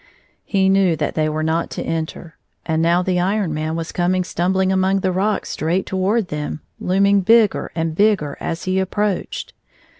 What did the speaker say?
He knew that they were not to enter, and now the Iron Man was coming stumbling among the rocks straight toward them, looming bigger and bigger as he approached.